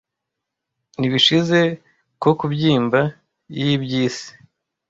Ni bishize , ko Kubyimba y'iby'isi!